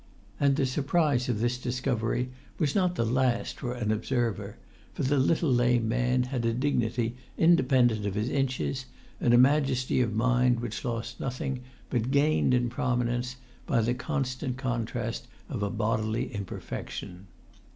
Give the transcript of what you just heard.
And the surprise of this discovery was not the last for an observer: for the little lame man had a dignity independent of his inches, and a majesty of mind which lost nothing, but gained in prominence, by the constant contrast of a bodily imperfection.